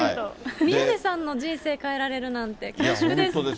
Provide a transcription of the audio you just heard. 宮根さんの人生変えられるなんて、恐縮です。